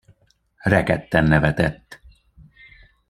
Rekedten nevetett.